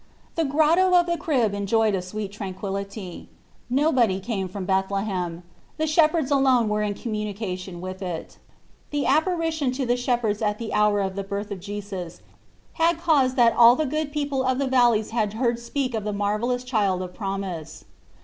The Grotto of the Crib enjoyed a sweet tranquillity. Nobody came from Bethle hem ; the shepherds alone were in com munication with it. The apparition to the shepherds at the hour of the birth of Jesus had caused that all the good people of the valleys had heard speak of the marvellous child of promise.